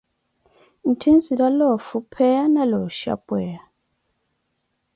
Ntthi nzina loofupheya na looxhapweya.